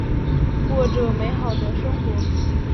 过着美好的生活。